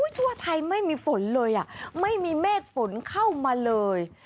ทั่วไทยไม่มีฝนเลยไม่มีเมฆฝนเข้ามาเลย